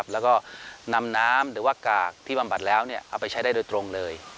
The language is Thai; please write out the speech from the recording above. แล้วก็นำน้ำหรือว่ากากที่บำบัดแล้วเอาไปใช้ได้โดยตรงเลย